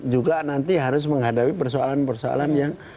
juga nanti harus menghadapi persoalan persoalan yang